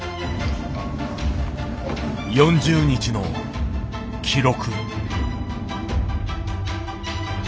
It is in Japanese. ４０日の記録。